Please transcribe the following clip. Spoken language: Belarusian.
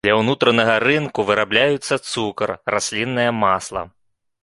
Для ўнутранага рынку вырабляюцца цукар, расліннае масла.